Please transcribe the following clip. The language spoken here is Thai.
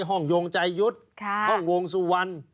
ห้องโยงจ่ายยุทธ์ห้องวงสู่วัน